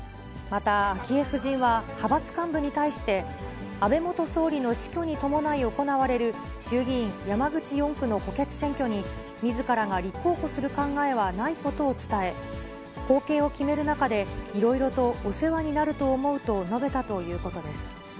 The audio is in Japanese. また、昭恵夫人は派閥幹部に対して、安倍元総理の死去に伴い行われる、衆議院山口４区の補欠選挙に、みずからが立候補する考えはないことを伝え、後継を決める中でいろいろとお世話になると思うと述べたということです。